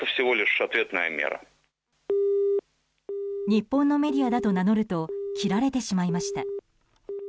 日本のメディアだと名乗ると切られてしまいました。